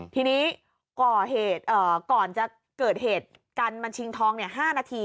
ทีนี้ก่อเหตุก่อนจะเกิดเหตุกันมันชิงทอง๕นาที